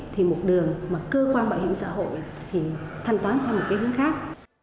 thì một đường mà cơ quan bảo hiểm xã hội sẽ thanh toán theo một kế hoạch